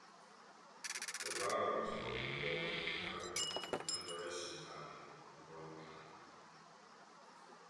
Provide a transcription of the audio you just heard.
Navarro was probably born at Garde in the Navarrese valley of Roncal.